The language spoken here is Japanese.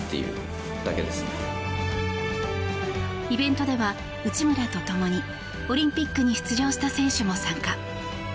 イベントでは内村とともにオリンピックに出場した選手も参加。